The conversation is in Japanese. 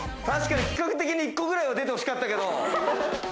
確かに企画的に、１個くらいは出てほしかったけれど。